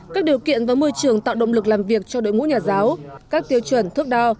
các điều kiện và môi trường tạo động lực làm việc cho đội ngũ nhà giáo các tiêu chuẩn thước đo